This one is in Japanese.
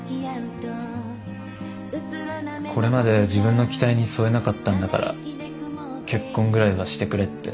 これまで自分の期待に添えなかったんだから結婚ぐらいはしてくれって。